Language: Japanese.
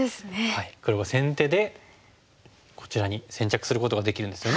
黒が先手でこちらに先着することができるんですよね。